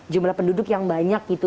jumlah penduduk yang banyak gitu